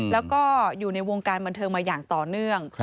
แล้วก็อยู่ในวงการบันเทิงมาอย่างต่อเนื่อง